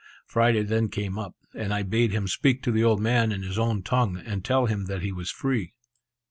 Friday then came up, and I bade him speak to the old man in his own tongue, and tell him that he was free.